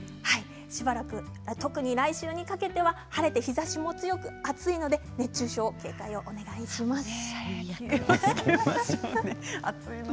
特に来週にかけては晴れて日ざしも強くて暑いので熱中症に警戒をお願いします。